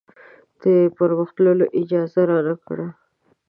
د پرمخ تللو اجازه رانه کړه.